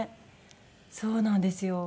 そうなんですよ。